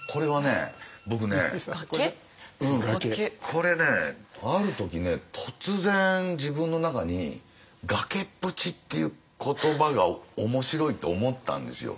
これねある時突然自分の中に「崖っぷち」っていう言葉が面白いと思ったんですよ。